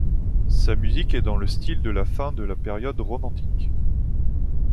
Sa musique est dans le style de la fin de la période romantique.